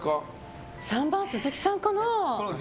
３番、鈴木さんかな？